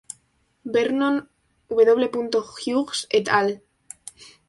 Vernon W. Hughes "et al.